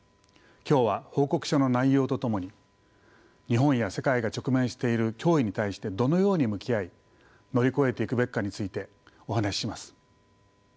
今日は報告書の内容とともに日本や世界が直面している脅威に対してどのように向き合い乗り越えていくべきかについてお話しします。